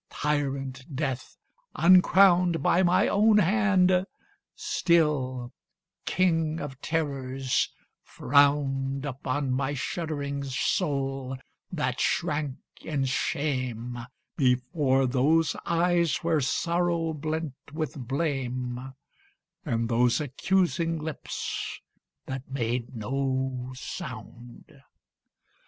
Tyrant Death, uncrowned By my own hand, still King of Terrors, frowned Upon my shuddering soul, that shrank in shame Before those eyes where sorrow blent with blame, And those accusing lips that made no sound.